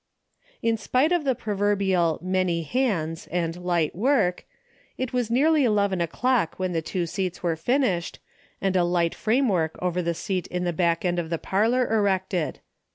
In spite of the proverbial " many hands " and " light work," it was nearly eleven o'clock when the two seats were finished, and a light frame work over the seat in the back end of the parlor erected.